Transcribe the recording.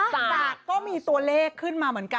จากก็มีตัวเลขขึ้นมาเหมือนกัน